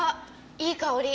いい香り。